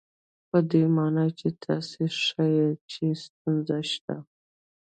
په دې مانا چې تاسې ښيئ چې ستونزه شته.